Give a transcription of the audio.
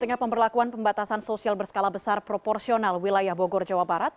di tengah pemberlakuan pembatasan sosial berskala besar proporsional wilayah bogor jawa barat